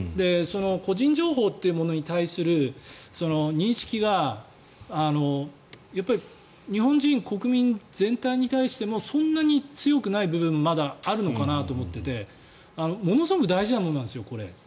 個人情報というものに対する認識がやっぱり日本人、国民全体に対してもそんなに強くない部分がまだあるのかなと思っていてものすごく大事なものなんですよこれ。